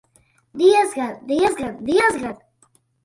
Diezgan, diezgan, diezgan!